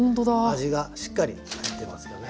味がしっかり入ってますよね。